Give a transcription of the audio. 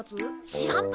しらんぷ！？